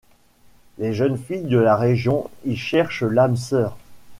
Les jeunes filles de la région y cherchent l'âme sœur.